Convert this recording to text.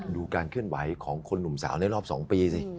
ดูการเคลื่อนไหวของคนหนุ่มสาวในรอบ๒ปีสิ